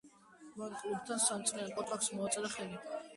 მან კლუბთან სამ წლიან კონტრაქტს მოაწერა ხელი.